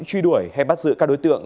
truy đuổi hay bắt giữ các đối tượng